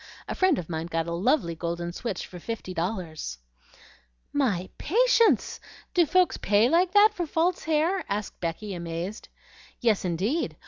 A friend of mine got a lovely golden switch for fifty dollars." "My patience! do folks pay like that for false hair?" asked Becky, amazed. "Yes, indeed.